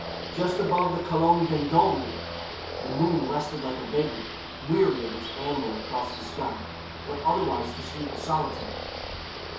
Just above the Colonne Vendôme the moon rested like a vagrant, weary of its amble across the sky. But otherwise the street was solitary.